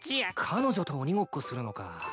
彼女と鬼ごっこするのか。